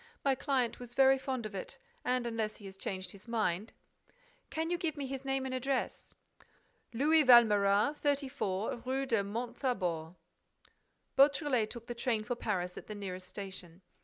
My client was very fond of it; and, unless he has changed his mind—" "Can you give me his name and address?" "Louis Valméras, 34, Rue du Mont Thabor." Beautrelet took the train for Paris at the nearest station.